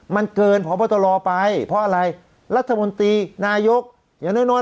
มันเกินพบตรไปเพราะอะไรรัฐมนตรีนายกอย่างน้อยน้อย